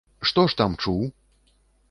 Што ж там чуў?